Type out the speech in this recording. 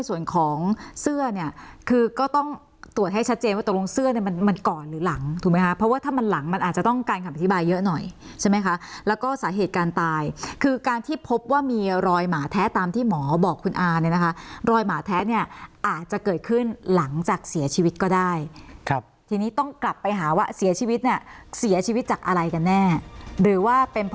ตกลงเสื้อเนี่ยคือก็ต้องตรวจให้ชัดเจนว่าตกลงเสื้อมันก่อนหรือหลังถูกไหมคะเพราะว่าถ้ามันหลังมันอาจจะต้องการขับอธิบายเยอะหน่อยใช่ไหมคะแล้วก็สาเหตุการณ์ตายคือการที่พบว่ามีรอยหมาแท้ตามที่หมอบอกคุณอาเนี่ยนะคะรอยหมาแท้เนี่ยอาจจะเกิดขึ้นหลังจากเสียชีวิตก็ได้ครับทีนี้ต้องกลับไปหาว